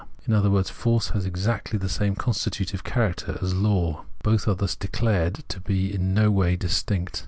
In other words, force has exactly the same constitutive character as law ; both are thus declared to be in no way distiuct.